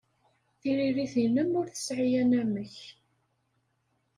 Tiririt-nnem ur tesɛi anamek.